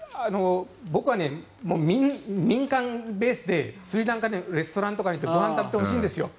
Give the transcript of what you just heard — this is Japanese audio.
僕は、民間ベースでスリランカでレストランに行ってご飯を食べてほしいんですよ。